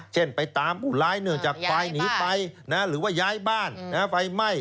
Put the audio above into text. เช่นไปตามผู้ร้ายเนื่องจากควายหนีไปหรือว่าย้ายบ้านไฟไหม้